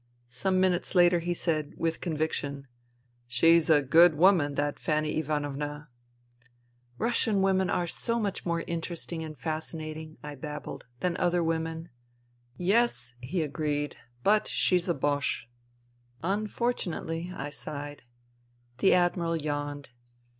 Some minutes later he said, with conviction, *' She's a good woman, that Fanny Ivanovna." " Russian women are so much more interesting and fascinating," I babbled, " than other women." INTERVENING IN SIBERIA 145 " Yes," he agreed. " But she's a Boche." " Unfortunately," I sighed. The Admiral yawned.